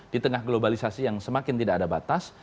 di tengah globalisasi yang semakin tidak ada batas